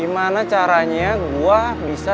papa taro dulu ya